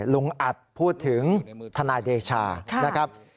ลุงอัดพูดถึงทนายเดชานะครับ